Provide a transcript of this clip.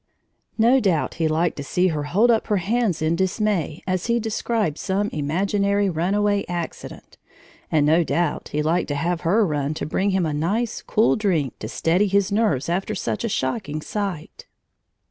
No doubt he liked to see her hold up her hands in dismay as he described some imaginary runaway accident, and no doubt he liked to have her run to bring him a nice, cool drink to "steady his nerves after such a shocking sight!"